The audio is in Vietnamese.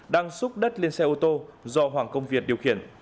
đang xúc đất lên xe ô tô do hoàng công việt điều khiển